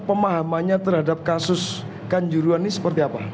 pemahamannya terhadap kasus kanjuruan ini seperti apa